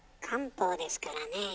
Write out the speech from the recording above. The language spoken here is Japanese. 漢方ですからね。